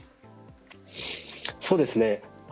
そうですね。